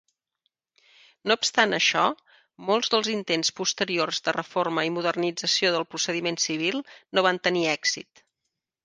No obstant això, molts dels intents posteriors de reforma i modernització del procediment civil no van tenir èxit.